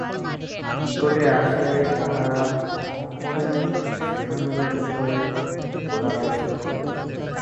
নিকটে আসিয়াই তাহারা মহম্মদের সৈন্যদলের উপরে গোলা বর্ষণ করিল।